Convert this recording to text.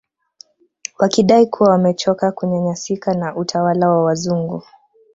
Wakidai kuwa wamechoka kunyanyasika na utawala wa wazungu